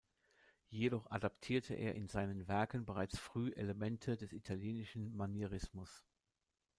Jedoch adaptierte er in seinen Werken bereits früh Elemente des italienischen Manierismus.